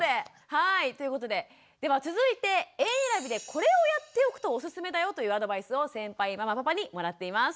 はいということででは続いて園えらびでこれをやっておくとおすすめだよというアドバイスを先輩ママパパにもらっています。